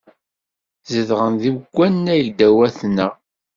Zedɣen deg wannag ddaw-atneɣ.